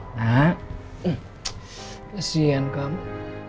nah kasian kamu